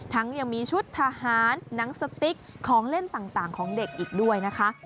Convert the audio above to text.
ยังมีชุดทหารหนังสติ๊กของเล่นต่างของเด็กอีกด้วยนะคะ